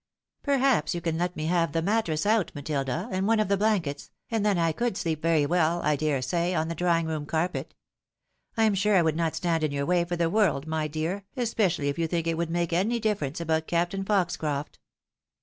Perhaps you can let me have the mattress out, Matilda, and one of the blankets, and then I could sleep very well, I dare say, on the drawing room carpet. I am sure I would not stand in your way for the world, my dear, especially if you think it would make any difference about Captain Fox croft."